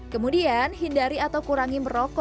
kemudian hindari atau kurangi merokok